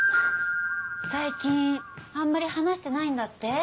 最近あんまり話してないんだって？